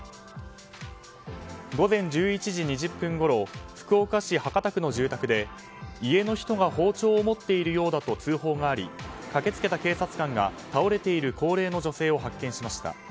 午前１１時２０分ごろ福岡市博多区の住宅で家の人が包丁を持っているようだと通報があり駆け付けた警察官が倒れている高齢の女性を発見しました。